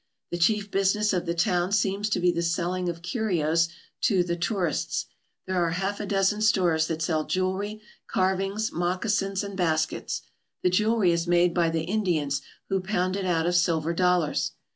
The chief business of the town seems to be the selling of curios to the tourists. There are a half dozen stores that sell jewellery, carvings, moccasins, and baskets. The jewellery is made by the Indians, who pound it out of silver dollars.